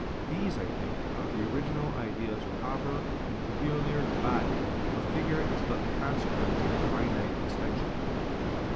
These, I think, are the original ideas proper and peculiar to body; for figure is but the consequence of finite extension.